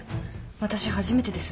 私初めてです。